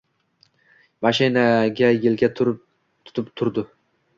Mashinaga yelka tutib turdi.